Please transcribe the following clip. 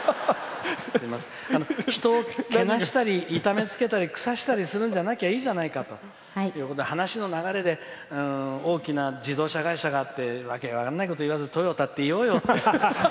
人をけなしたり痛めつけたりくさしたりするんじゃなきゃいいじゃないかと話の流れで大きな自動車会社があって訳分からないこと言わずにトヨタって言おうよって。